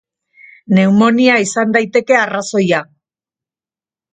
Neumonia izan daiteke arrazioa.